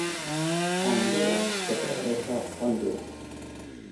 Honduras de progreso Honduras